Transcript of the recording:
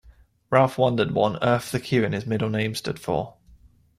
Ralph wondered what on earth the Q in his middle name stood for.